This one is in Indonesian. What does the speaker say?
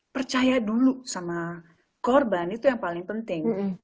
percaya dulu sama korban itu yang paling penting